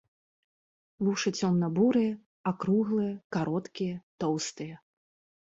Вушы цёмна-бурыя, акруглыя, кароткія, тоўстыя.